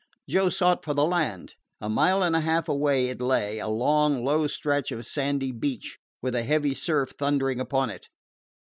Joe sought for the land. A mile and a half away it lay a long, low stretch of sandy beach with a heavy surf thundering upon it.